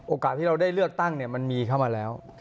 ที่เราได้เลือกตั้งมันมีเข้ามาแล้ว